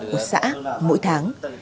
của xã mỗi tháng